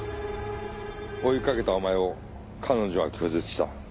追いかけたお前を彼女は拒絶した。